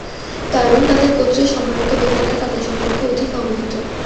কারণ তাদের গোত্রের সম্মানিত ব্যক্তিরা তাদের সম্পর্কে অধিক অবহিত।